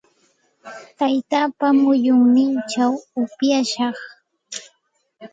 Taytaapa muyunninchaw upyashaq.